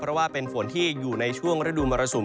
เพราะว่าเป็นฝนที่อยู่ในช่วงฤดูมรสุม